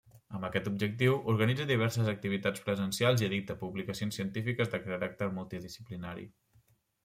Amb aquest objectiu, organitza diverses activitats presencials i edita publicacions científiques de caràcter multidisciplinari.